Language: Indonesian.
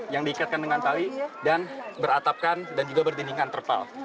yang diikatkan dengan tali dan beratapkan dan juga berdindingan terpal